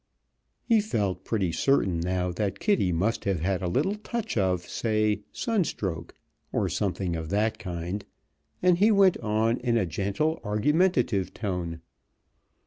He felt pretty certainly, now, that Kitty must have had a little touch of, say, sunstroke, or something of that kind, and he went on in a gently argumentative tone.